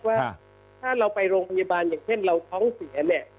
ว่าถ้าเราไปโรงพยาบาลอย่างเช่นเราท้องเสียเนี่ย